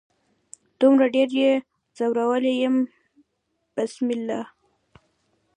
دومره ډیر يې ځورولي يم بسمله